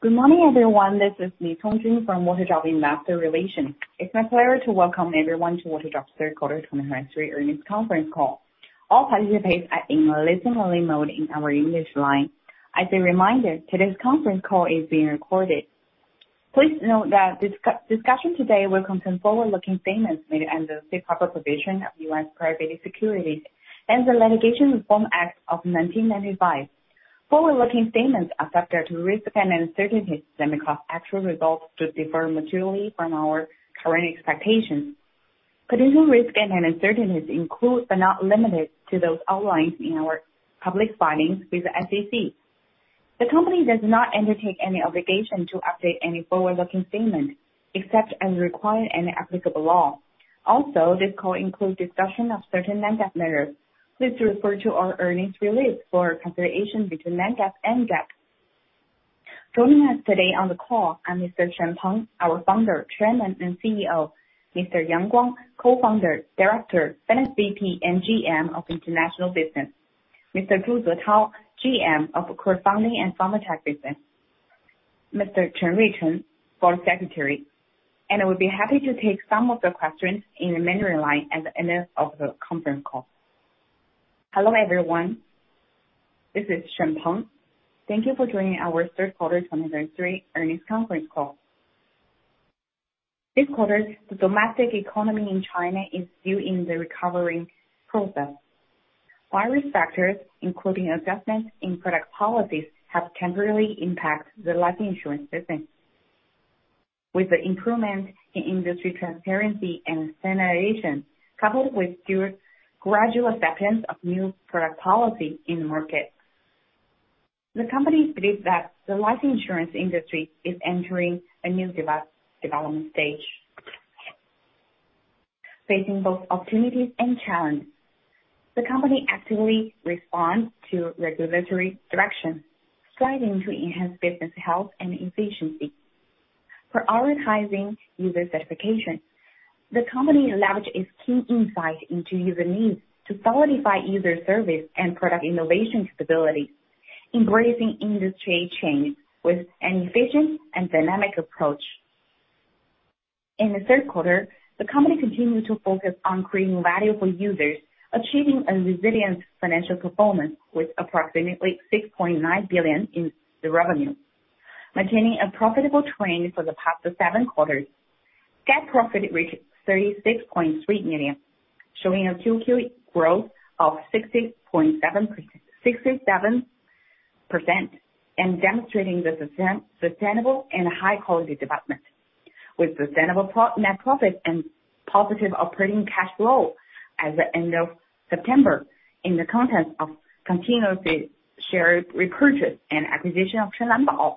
Good morning, everyone. This is Tracy Li from Waterdrop Investor Relations. It's my pleasure to welcome everyone to Waterdrop's third quarter 2023 earnings conference call. All participants are in listen-only mode in our English line. As a reminder, today's conference call is being recorded. Please note that discussion today will contain forward-looking statements made under the safe harbor provision of the U.S. Private Securities Litigation Reform Act of 1995. Forward-looking statements are subject to risks and uncertainties that may cause actual results to differ materially from our current expectations. Potential risks and uncertainties include, but are not limited to, those outlined in our public filings with the SEC. The company does not undertake any obligation to update any forward-looking statement except as required in applicable law. Also, this call includes discussion of certain non-GAAP measures. Please refer to our earnings release for reconciliation between non-GAAP and GAAP. Joining us today on the call are Mr. Peng Shen, our Founder, Chairman, and CEO, Mr. Guang Yang, Co-Founder, Director, Finance VP, and GM of International Business; Mr. Zhu Zetao, GM of crowdfunding and PharmTech Business; Mr. Chen Ruichen, Board Secretary, and I will be happy to take some of the questions in the Mandarin line at the end of the conference call. Hello, everyone. This is Peng Shen. Thank you for joining our third quarter 2023 earnings conference call. This quarter, the domestic economy in China is still in the recovery process. Various factors, including adjustments in product policies, have temporarily impacted the life insurance business. With the improvement in industry transparency and standardization, coupled with good gradual acceptance of new product policy in the market, the company believes that the life insurance industry is entering a new development stage, facing both opportunities and challenges. The company actively responds to regulatory direction, striving to enhance business health and efficiency. Prioritizing user satisfaction, the company leverage its key insight into user needs to solidify user service and product innovation stability, embracing industry change with an efficient and dynamic approach. In the third quarter, the company continued to focus on creating value for users, achieving a resilient financial performance with approximately 6.9 billion in the revenue. Maintaining a profitable trend for the past seven quarters, GAAP profit reached 36.3 million, showing a QoQ growth of 60.7%-67%, and demonstrating the sustainable and high-quality development. With sustainable net profit and positive operating cash flow at the end of September, in the context of continuously share repurchase and acquisition of Shenlanbao,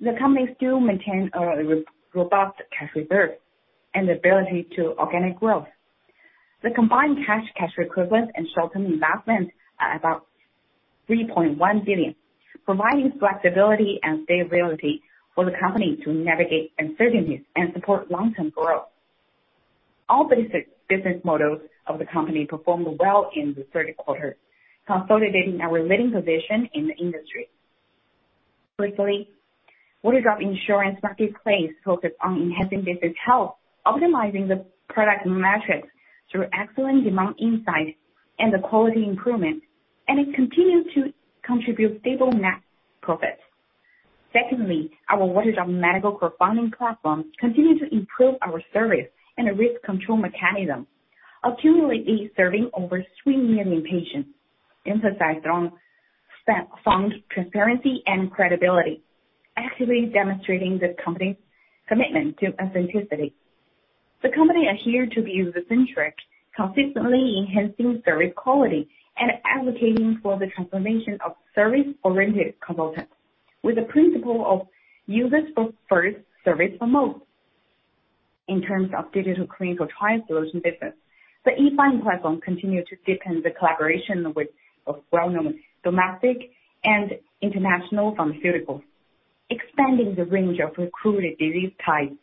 the company still maintain a robust cash reserve and the ability to organic growth. The combined cash, cash equivalents, and short-term investments are about 3.1 billion, providing flexibility and stability for the company to navigate uncertainties and support long-term growth. All business, business models of the company performed well in the third quarter, consolidating our leading position in the industry. Quickly, Waterdrop Insurance Marketplace focused on enhancing business health, optimizing the product matrix through excellent demand insight and the quality improvement, and it continued to contribute stable net profits. Secondly, our Waterdrop Medical Crowdfunding platform continued to improve our service and the risk control mechanism, accumulatively serving over 3 million patients, emphasizing fund transparency and credibility, actively demonstrating the company's commitment to authenticity. The company adhere to be user-centric, consistently enhancing service quality and advocating for the transformation of service-oriented consultants with the principle of users first, service the most. In terms of digital clinical trial solution business, the E-Find Platform continued to deepen the collaboration with a well-known domestic and international pharmaceuticals, expanding the range of recruited disease types.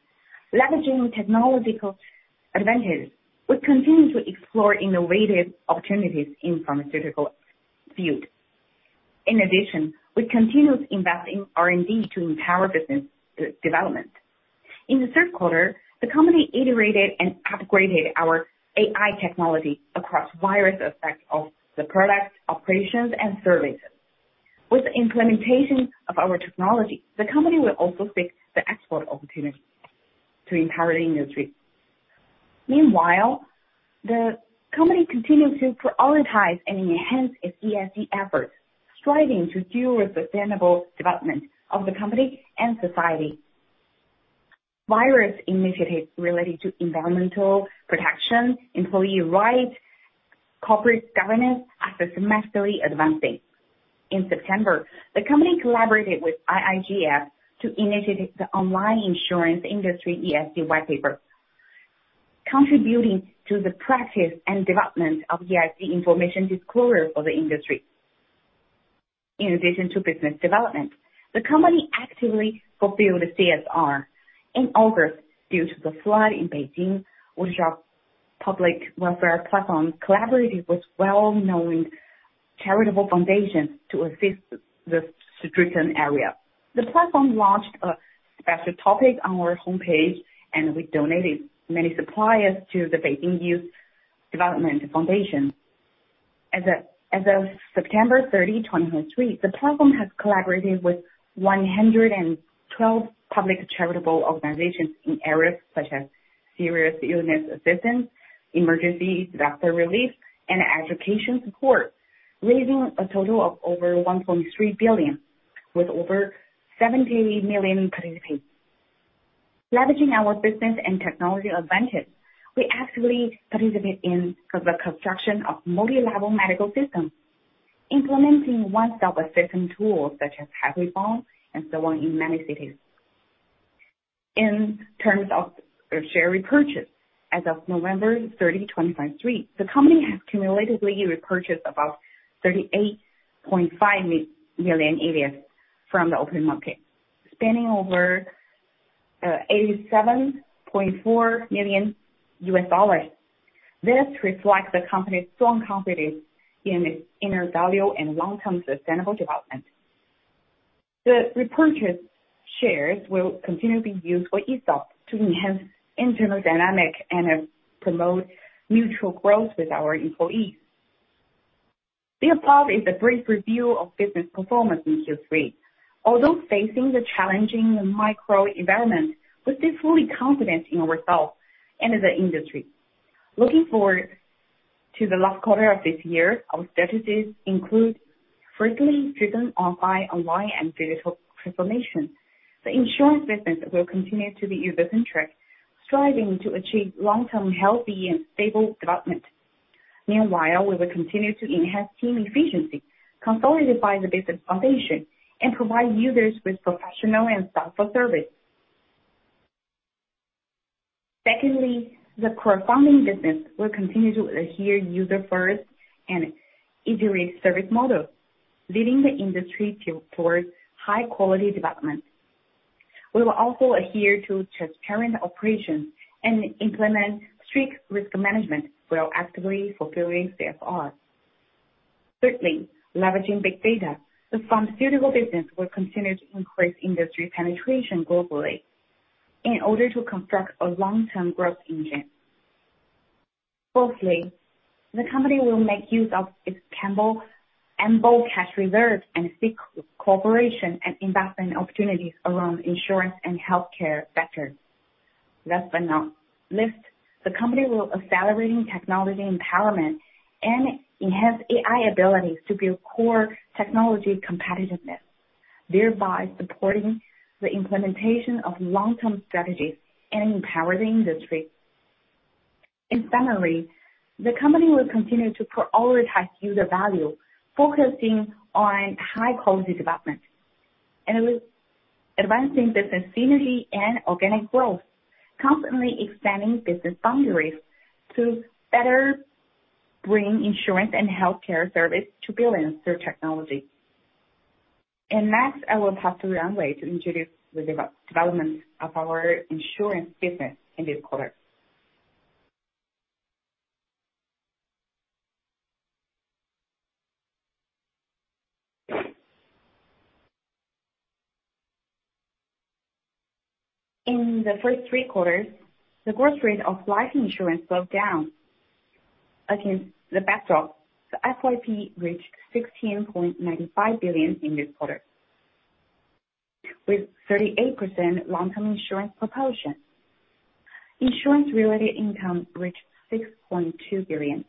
Leveraging technological advantages, we continue to explore innovative opportunities in pharmaceutical field. In addition, we continued investing R&D to empower business, development. In the third quarter, the company iterated and upgraded our AI technology across various aspects of the product, operations, and services. With the implementation of our technology, the company will also seek the export opportunity to entire industry. Meanwhile, the company continued to prioritize and enhance its ESG efforts, striving to fuel sustainable development of the company and society. Various initiatives related to environmental protection, employee rights, corporate governance, are simultaneously advancing. In September, the company collaborated with IIGF to initiate the online insurance industry ESG white paper, contributing to the practice and development of ESG information disclosure for the industry. In addition to business development, the company actively fulfilled CSR. In August, due to the flood in Beijing, Waterdrop Public Welfare platform collaborated with well-known charitable foundations to assist the stricken area. The platform launched a special topic on our homepage, and we donated many supplies to the Beijing Youth Development Foundation. As of30 September 2023, the platform has collaborated with 112 public charitable organizations in areas such as serious illness assistance, emergency disaster relief, and education support, raising a total of over $1.3 billion, with over 70 million participants. Leveraging our business and technology advantage, we actively participate in the construction of multi-level medical systems, implementing one-stop assistance tools such as halfway home and so on in many cities. In terms of share repurchase, as of 30 November 2023, the company has cumulatively repurchased about 38.5 million ADS from the open market, spending over $87.4 million. This reflects the company's strong confidence in its inner value and long-term sustainable development. The repurchased shares will continue to be used for ESOP to enhance internal dynamic and promote mutual growth with our employees. The above is a brief review of business performance in Q3. Although facing the challenging microenvironment, we stay fully confident in ourselves and the industry. Looking forward to the last quarter of this year, our strategies include, firstly, driven on by online and digital transformation. The insurance business will continue to be user-centric, striving to achieve long-term, healthy and stable development. Meanwhile, we will continue to enhance team efficiency, consolidated by the business foundation, and provide users with professional and thoughtful service. Secondly, the crowd funding business will continue to adhere user first and iterate service model, leading the industry towards high quality development. We will also adhere to transparent operations and implement strict risk management while actively fulfilling their part. Thirdly, leveraging big data, the pharmaceutical business will continue to increase industry penetration globally in order to construct a long-term growth engine. Fourthly, the company will make use of its ample cash reserves and seek cooperation and investment opportunities around insurance and healthcare sectors. Last but not least, the company will accelerating technology empowerment and enhance AI abilities to build core technology competitiveness, thereby supporting the implementation of long-term strategies and empower the industry. In summary, the company will continue to prioritize user value, focusing on high-quality development, and it will advancing business synergy and organic growth, constantly expanding business boundaries to better bring insurance and healthcare service to billions through technology. And next, I will pass to Ran Wei to introduce the development of our insurance business in this quarter. In the first three quarters, the growth rate of life insurance slowed down. Against the backdrop, the FYP reached 16.95 billion in this quarter, with 38% long-term insurance proportion. Insurance-related income reached 6.2 billion,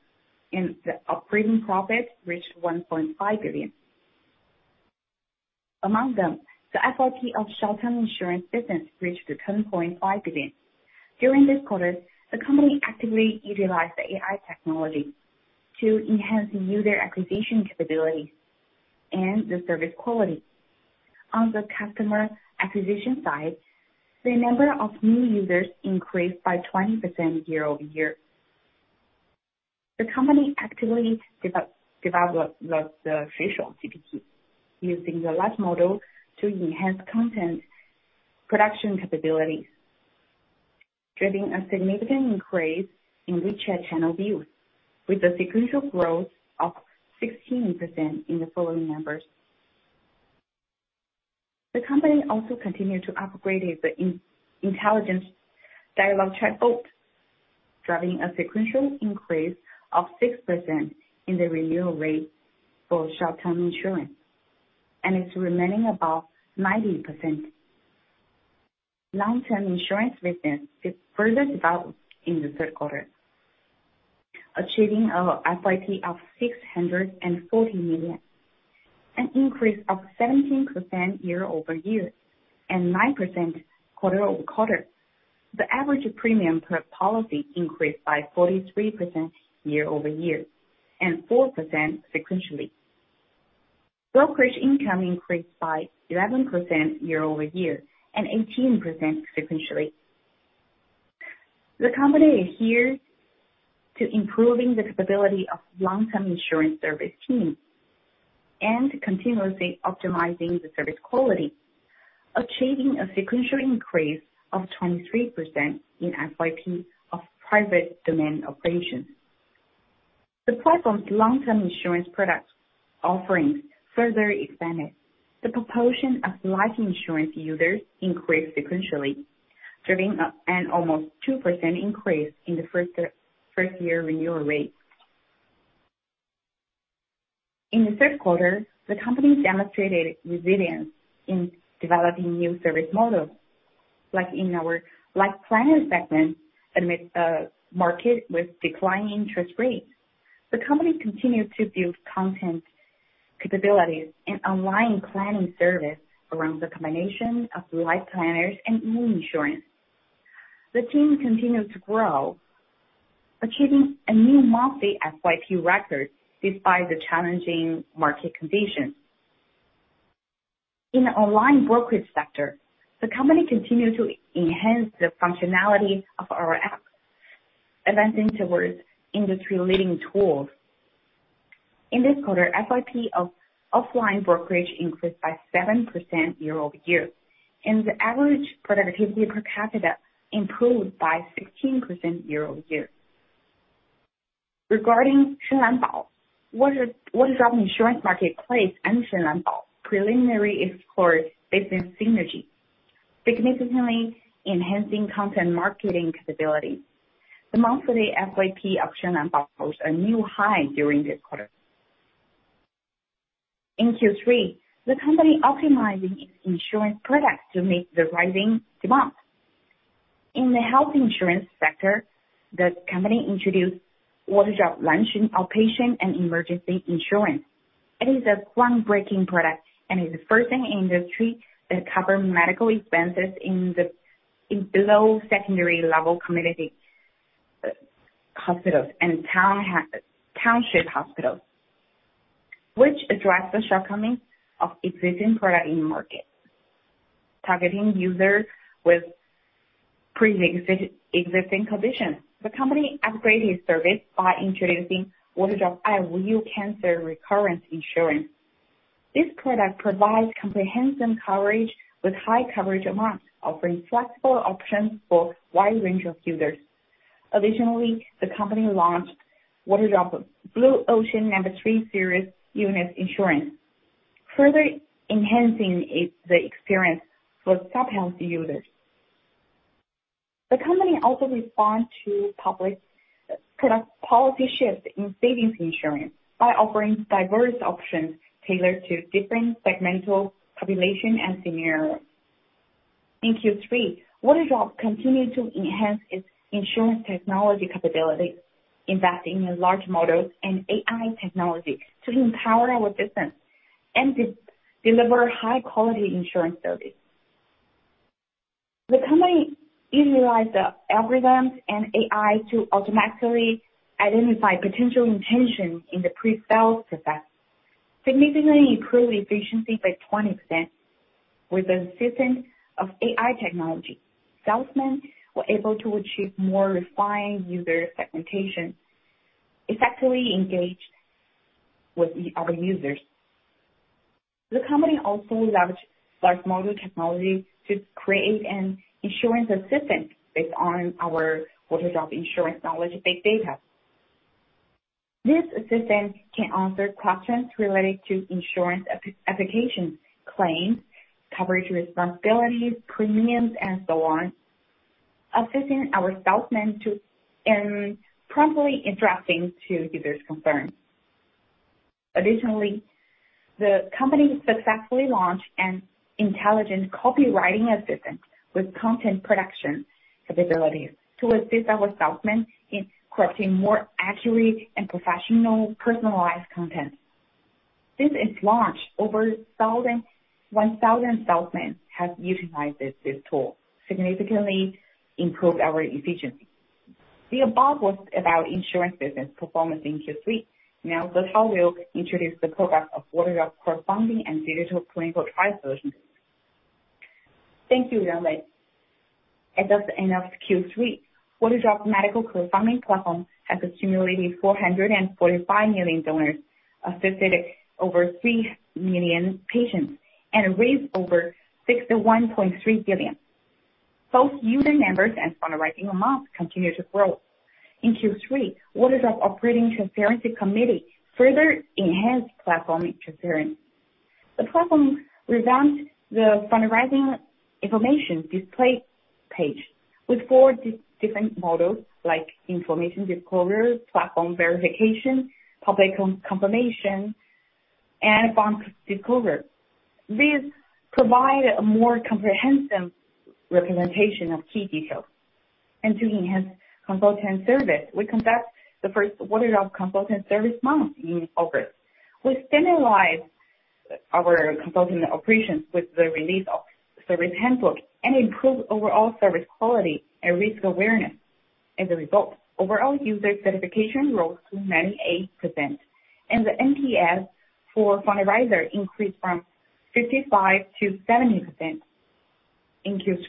and the operating profit reached 1.5 billion. Among them, the FYP of short-term insurance business reached the 10.5 billion. During this quarter, the company actively utilized the AI technology to enhance user acquisition capabilities and the service quality. On the customer acquisition side, the number of new users increased by 20% YoY. The company actively developed the vertical GPT, using the large model to enhance content production capabilities, driving a significant increase in WeChat channel views, with a sequential growth of 16% in the following numbers. The company also continued to upgrade the intelligence dialogue chatbot, driving a sequential increase of 6% in the renewal rate for short-term insurance, and it's remaining about 90%. Long-term insurance business is further developed in the third quarter, achieving a FYP of 640 million, an increase of 17% YoYand 9% QoQ. The average premium per policy increased by 43% YoY and 4% sequentially. Brokerage income increased by 11% YoY and 18% sequentially. The company adheres to improving the capability of long-term insurance service team and continuously optimizing the service quality achieving a sequential increase of 23% in FYP of private domain operations. The platform's long-term insurance product offerings further expanded. The proportion of life insurance users increased sequentially, driving up an almost 2% increase in the first, first year renewal rate. In the third quarter, the company demonstrated resilience in developing new service models, like in our life planning segment, amid market with declining interest rates. The company continued to build content capabilities and online planning service around the combination of life planners and new insurance. The team continued to grow, achieving a new monthly FYP record despite the challenging market conditions. In the online brokerage sector, the company continued to enhance the functionality of our app, advancing towards industry-leading tools. In this quarter, FYP of offline brokerage increased by 7% YoY, and the average productivity per capita improved by 16% YoY. Regarding Shenlanbao, Waterdrop Insurance Marketplace and Shenlanbao preliminarily explored business synergy, significantly enhancing content marketing capabilities. The monthly FYP of Shenlanbao posted a new high during this quarter. In Q3, the company optimized its insurance products to meet the rising demand. In the health insurance sector, the company introduced Waterdrop Outpatient and Emergency Insurance. It is a groundbreaking product and is the first in industry that cover medical expenses in below secondary level community hospitals and township hospitals, which address the shortcomings of existing product in market. Targeting users with existing conditions, the company upgraded its service by introducing Waterdrop Ai You Cancer Recurrence Insurance. This product provides comprehensive coverage with high coverage amounts, offering flexible options for a wide range of users. Additionally, the company launched Waterdrop Blue Ocean No. Series Unit Insurance, further enhancing the experience for subhealth users. The company also respond to public product policy shifts in savings insurance by offering diverse options tailored to different segmental population and scenario. In Q3, Waterdrop continued to enhance its insurance technology capability, investing in large models and AI technology to empower our business and deliver high-quality insurance service. The company utilized the algorithms and AI to automatically identify potential intentions in the pre-sale process, significantly improve efficiency by 20%. With the assistance of AI technology, salesmen were able to achieve more refined user segmentation, effectively engaged with our users. The company also launched large model technology to create an insurance assistant based on our Waterdrop insurance knowledge big data. This assistant can answer questions related to insurance application claims, coverage responsibilities, premiums, and so on, assisting our salesmen to, and promptly interacting to users' concerns. Additionally, the company successfully launched an intelligent copywriting assistant with content production capabilities to assist our salesmen in creating more accurate and professional personalized content. Since its launch, over 1,000 salesmen have utilized this tool, significantly improved our efficiency. The above was about insurance business performance in Q3. Now, Xiaoying will introduce the progress of Waterdrop crowdfunding and digital clinical trial solutions. Thank you, Ran Wei, As of the end of Q3, Waterdrop Medical Crowdfunding platform has accumulated 445 million donors, assisted over 3 million patients, and raised over 61.3 billion. Both user numbers and fundraising amounts continue to grow. In Q3, Waterdrop Operating Transparency Committee further enhanced platform transparency. The platform revamped the fundraising information display page with four different models like information disclosure, platform verification, public confirmation, and fund disclosure. These provide a more comprehensive representation of key details. And to enhance consultant service, we conducted the first Waterdrop Consultant Service Month in August. We standardize our consulting operations with the release of service handbook and improve overall service quality and risk awareness. As a result, overall user certification rose to 98%, and the NPS for Fundraiser increased from 55% to 70%. In Q3,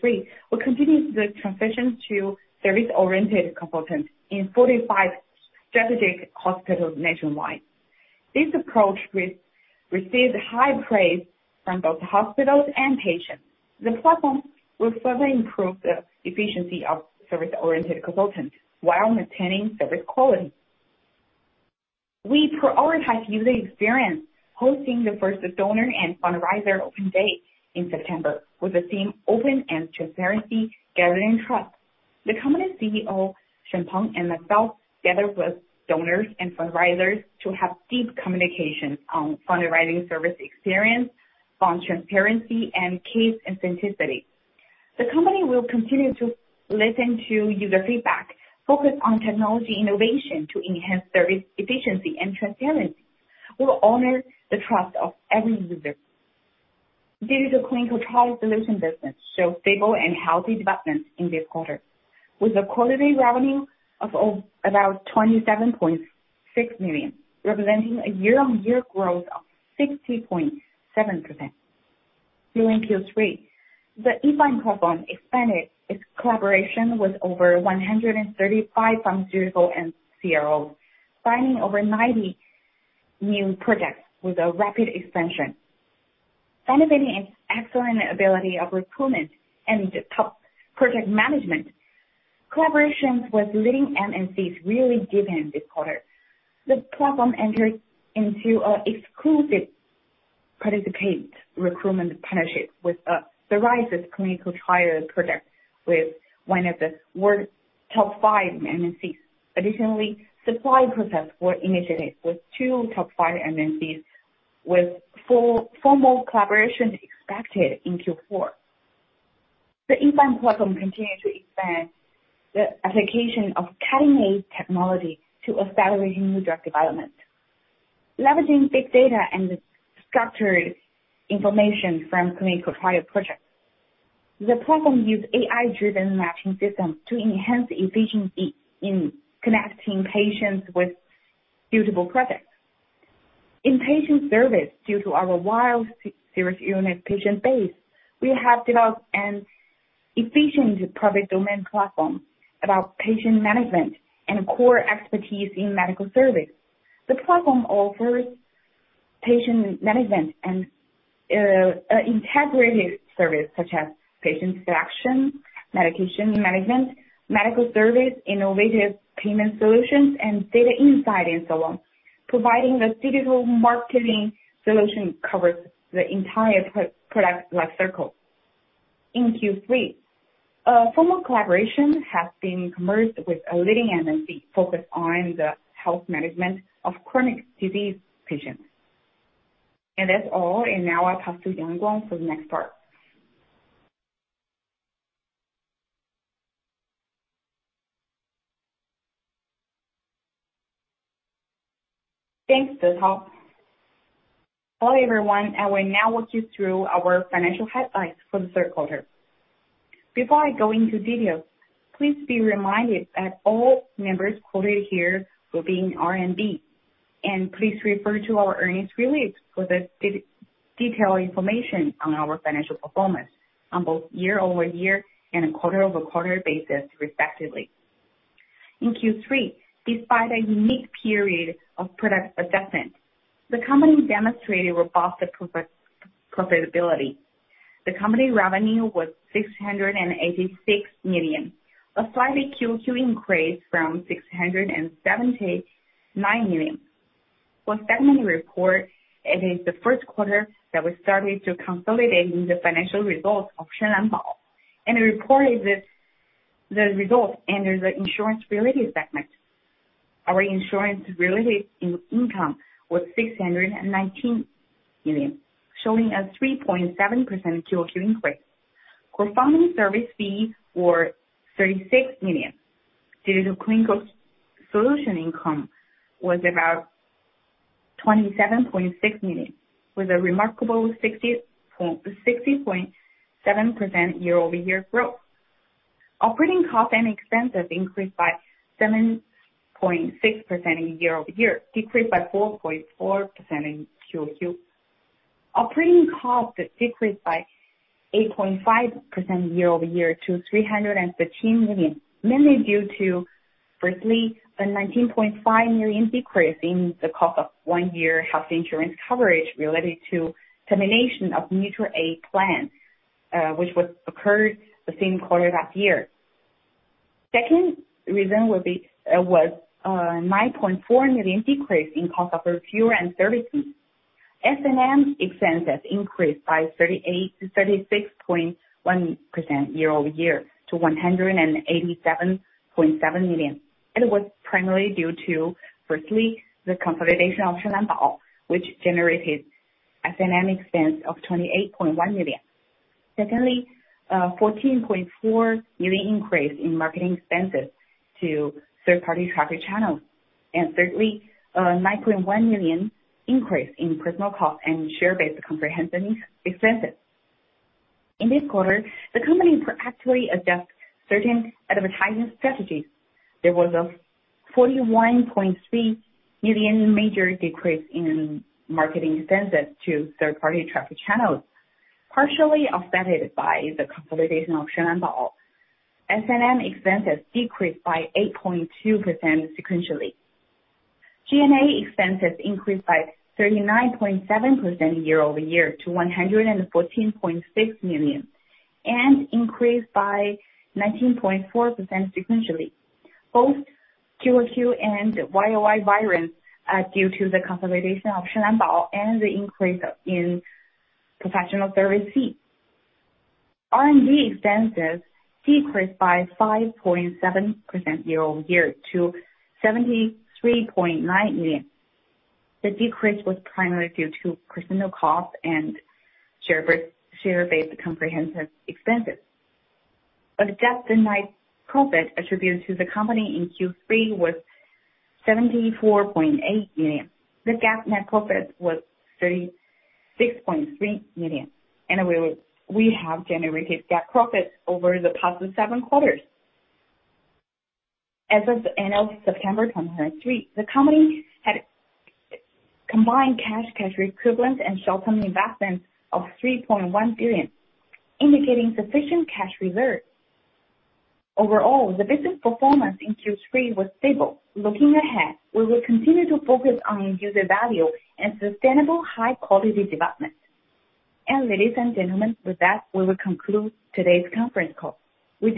we continued the transition to service-oriented consultants in 45 strategic hospitals nationwide. This approach received high praise from both hospitals and patients. The platform will further improve the efficiency of service-oriented consultants while maintaining service quality. We prioritize user experience, hosting the first donor and fundraiser open day in September with the theme Open and Transparency, Gathering Trust. The company CEO, Peng Shen, and myself, together with donors and fundraisers, to have deep communication on fundraising service experience, on transparency, and case authenticity. The company will continue to listen to user feedback, focus on technology innovation to enhance service efficiency and transparency. We'll honor the trust of every user. Digital clinical trial solution business showed stable and healthy development in this quarter, with a quarterly revenue of about 27.6 million, representing a YoY growth of 60.7%. During Q3, the E-Find Platform expanded its collaboration with over 135 pharmaceutical and CROs, signing over 90 new projects with a rapid expansion, benefiting its excellent ability of recruitment and top project management. Collaborations with leading MNCs really drove this quarter. The platform entered into an exclusive participant recruitment partnership with the largest clinical trial project with one of the world's top five MNCs. Additionally, supplier processes were initiated with two top five MNCs, with formal collaboration expected in Q4. The E-Find Platform continues to expand the application of cutting-edge technology to accelerating new drug development, leveraging big data and structured information from clinical trial projects. The platform uses AI-driven matching system to enhance efficiency in connecting patients with suitable projects. In patient service, due to our wide service unit patient base, we have developed an efficient private domain platform about patient management and core expertise in medical service. The platform offers patient management and integrated service such as patient selection, medication management, medical service, innovative payment solutions, and data insight, and so on. Providing the digital marketing solution covers the entire product life cycle. In Q3, a formal collaboration has been commenced with a leading MNC focused on the health management of chronic disease patients. That's all. And now I pass to Guang Yang for the next part. Thanks, Xiaoying. Hello, everyone, I will now walk you through our financial highlights for the third quarter. Before I go into details, please be reminded that all numbers quoted here will be in RMB, and please refer to our earnings release for the detailed information on our financial performance on both YoY and QoQ basis, respectively. In Q3, despite a unique period of product adjustment, the company demonstrated robust profitability. The company revenue was 686 million, a slightly QoQ increase from 679 million. For segment report, it is the first quarter that we started consolidating the financial results of Shenlanbao, and it reported the results under the insurance-related segment. Our insurance-related income was 619 million, showing a 3.7% QoQ increase. Consulting service fees were 36 million due to clinical solution income, which was about 27.6 million, with a remarkable 60.7% YoY growth. Operating costs and expenses increased by 7.6% YoY, decreased by 4.4% in QoQ. Operating costs decreased by 8.5% YoY to 313 million, mainly due to, firstly, the 19.5 million decrease in the cost of one-year health insurance coverage related to termination of mutual aid plan, which was occurred the same quarter last year. Second reason would be 9.4 million decrease in cost of revenue and services. S&M expenses increased by 38%-36.1% YoY to 187.7 million. It was primarily due to, firstly, the consolidation of Shenlanbao, which generated S&M expense of 28.1 million. Secondly, 14.4 million increase in marketing expenses to third-party traffic channels. And thirdly, 9.1 million increase in personal cost and share-based comprehensive expenses. In this quarter, the company proactively adjust certain advertising strategies. There was a 41.3 million major decrease in marketing expenses to third-party traffic channels, partially offset by the consolidation of Shenlanbao. S&M expenses decreased by 8.2% sequentially. G&A expenses increased by 39.7% YoY to 114.6 million, and increased by 19.4% sequentially, both QoQ and YoY variance due to the consolidation of Shenlanbao and the increase in professional service fees. R&D expenses decreased by 5.7% YoY to 73.9 million. The decrease was primarily due to personal costs and share-based comprehensive expenses. Adjusted net profit attributed to the company in Q3 was 74.8 million. The GAAP net profit was 36.3 million, and we have generated net profit over the past seven quarters. As of the end of September 2023, the company had combined cash, cash equivalents, and short-term investments of 3.1 billion, indicating sufficient cash reserves. Overall, the business performance in Q3 was stable. Looking ahead, we will continue to focus on user value and sustainable high-quality development. Ladies and gentlemen, with that, we will conclude today's conference call.